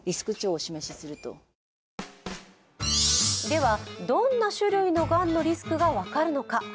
では、どんな種類のがんのリスクが分かるのか。